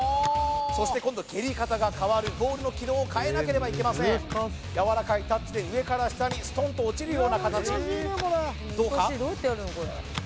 そして今度蹴り方が変わるボールの軌道を変えなければいけませんやわらかいタッチで上から下にストンと落ちるような形どうか？